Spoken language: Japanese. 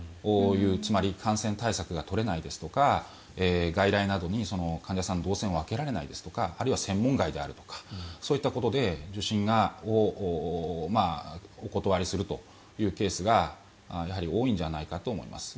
つまり感染対策が取れないですとか外来などに患者さんの動線を分けられないですとかあるいは専門外であるとかそういったことで受診をお断りするというケースがやはり多いんじゃないかと思います。